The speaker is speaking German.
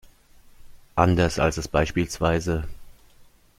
Anders als es bspw.